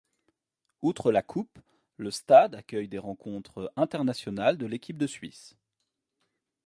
Outre la Coupe, le stade accueille des rencontres internationales de l'équipe de Suisse.